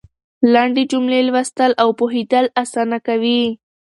لنډې جملې لوستل او پوهېدل اسانه کوي.